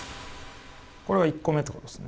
これは１個目ってことですね。